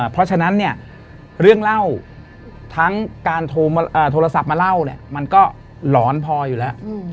เพราะฉะนั้นเนี่ยเรื่องเล่าทั้งการโทรศัพท์มาเล่าเนี่ยมันก็หลอนพออยู่แล้ว